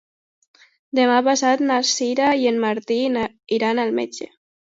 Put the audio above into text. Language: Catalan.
Demà passat na Sira i en Martí iran al metge.